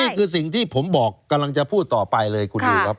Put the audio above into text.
นี่คือสิ่งที่ผมบอกกำลังจะพูดต่อไปเลยคุณนิวครับ